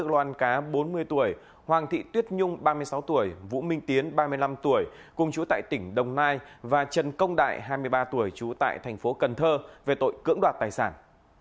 loan cá bốn mươi tuổi hoàng thị tuyết nhung ba mươi sáu tuổi vũ minh tiến ba mươi năm tuổi cùng chú tại tỉnh đồng nai và trần công đại hai mươi ba tuổi trú tại thành phố cần thơ về tội cưỡng đoạt tài sản